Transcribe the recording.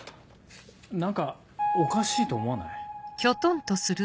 何かおかしいと思わない？